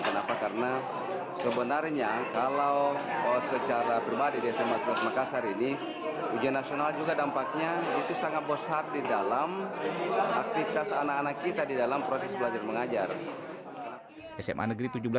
kenapa karena sebenarnya kalau secara pribadi di sma makassar ini ujian nasional juga dampaknya itu sangat besar di dalam aktivitas anak anak kita di dalam proses belajar mengajar